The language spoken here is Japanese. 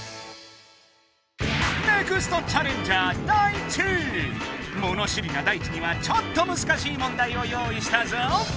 ネクストチャレンジャーもの知りなダイチにはちょっとむずかしいもんだいを用いしたぞ！